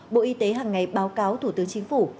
bộ y tế hàng ngày báo cáo thủ tướng chính phủ